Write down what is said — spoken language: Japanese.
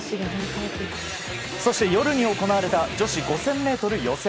そして夜に行われた女子５０００ｍ予選。